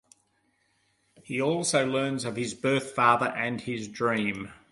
He also learns of his birth father and his dream.